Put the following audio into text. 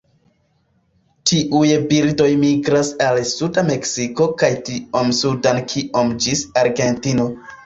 Tiuj birdoj migras al suda Meksiko kaj tiom suden kiom ĝis Argentino.